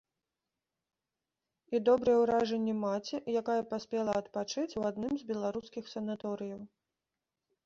І добрыя ўражанні маці, якая паспела адпачыць у адным з беларускіх санаторыяў.